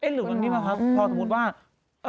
หรือว่าสมมุติว่า